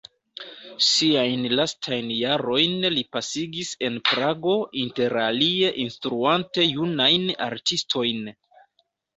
Siajn lastajn jarojn li pasigis en Prago, interalie instruante junajn artistojn.